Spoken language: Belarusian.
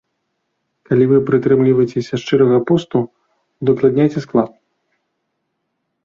Калі вы прытрымліваецеся шчырага посту, удакладняйце склад!